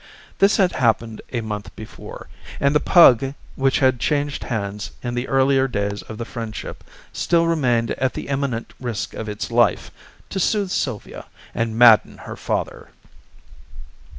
This had happened a month before, and the pug, which had changed hands in the earlier days of the friendship, still remained, at the imminent risk of its life, to soothe Sylvia and madden her father.